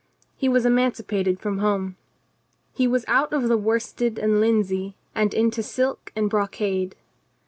He was emancipated from home. He was out of the worsted and linsey and into silk and brocade.